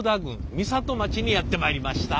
美里町にやって参りました。